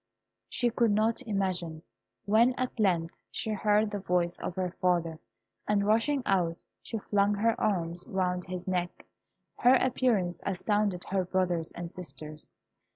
She could not imagine; when at length she heard the voice of her father, and rushing out, she flung her arms round his neck. Her appearance astounded her brothers and sisters.